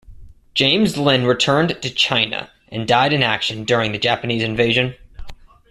James Lin returned to China and died in action during the Japanese invasion.